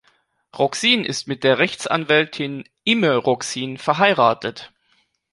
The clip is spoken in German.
Roxin ist mit der Rechtsanwältin Imme Roxin verheiratet.